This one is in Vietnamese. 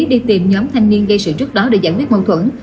đi tìm nhóm thanh niên gây sự trước đó để giải quyết mâu thuẫn